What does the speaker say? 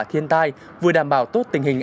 thiên tai vừa đảm bảo tốt tình hình